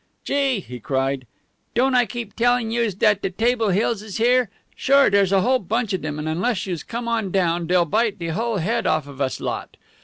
"Gee!" he cried, "don't I keep tellin' youse dat de Table Hills is here? Sure, dere's a whole bunch of dem, and unless youse come on down dey'll bite de hull head off of us lot.